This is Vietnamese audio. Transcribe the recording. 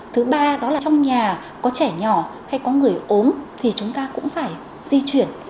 thứ ba đó là trong nhà có trẻ nhỏ hay có người ốm thì chúng ta cũng phải di chuyển